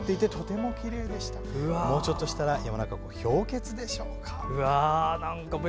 もうちょっとしたら山中湖の氷結でしょうか。